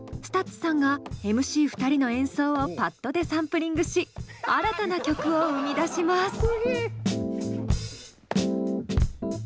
ＳＴＵＴＳさんがＭＣ２人の演奏をパッドでサンプリングし新たな曲を生み出します！